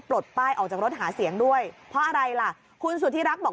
ปลดป้ายออกจากรถหาเสียงด้วยเพราะอะไรล่ะคุณสุธิรักษ์บอก